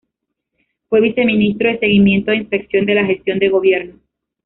Fue Viceministro de Seguimiento e Inspección de la Gestión de Gobierno.